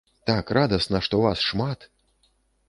Так радасна, што вас шмат!